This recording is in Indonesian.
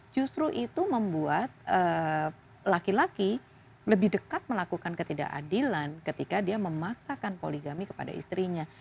justru itu membuat laki laki lebih dekat melakukan ketidakadilan ketika dia memaksakan poligami kepada istrinya